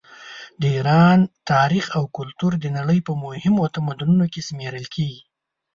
د ایران تاریخ او کلتور د نړۍ په مهمو تمدنونو کې شمېرل کیږي.